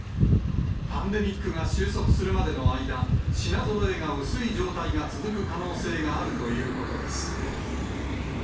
パンデミックが収束するまでの間、品ぞろえが薄い状態が続く可能性があるということです。